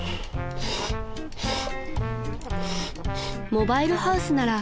［モバイルハウスなら